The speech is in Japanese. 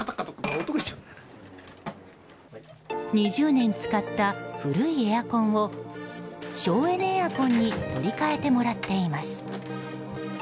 ２０年使った古いエアコンを省エネエアコンに取り替えてもらっています。